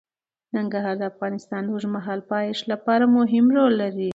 ننګرهار د افغانستان د اوږدمهاله پایښت لپاره مهم رول لري.